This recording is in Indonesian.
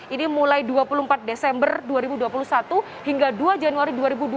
ini mulai dua puluh empat desember dua ribu dua puluh satu hingga dua januari dua ribu dua puluh